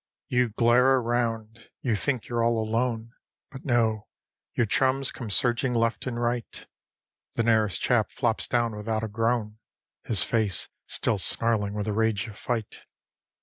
You glare around. You think you're all alone. But no; your chums come surging left and right. The nearest chap flops down without a groan, His face still snarling with the rage of fight.